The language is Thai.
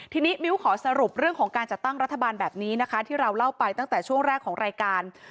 ทีนี้มิ้วขอสรุปเรื่องของการจัดตั้งรัฐบาลแบบนี้นะคะที่เราเล่าไปตั้งแต่ช่วงแรกของรายการ